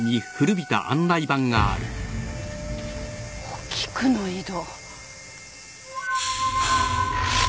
「於菊の井戸」